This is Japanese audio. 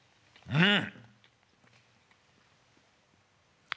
うん。